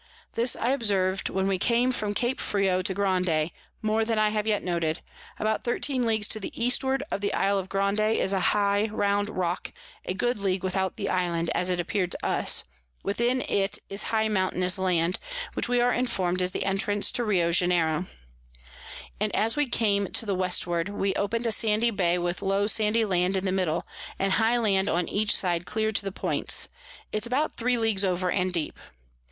This I observ'd when we came from Cape Frio to Grande, more than I have yet noted: About 13 Leagues to the Eastward of the Isle of Grande is a high round Rock, a good League without the Land, as it appear'd to us; within it is high mountainous Land, which we are inform'd is the Entrance to Rio Janeiro: and as we came to the Westward, we open'd a sandy Bay with low sandy Land in the middle, and high Land on each side clear to the Points; it's about 3 Leagues over, and deep.